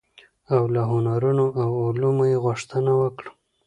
او له هنرونو او علومو يې غوښتنه وکړه،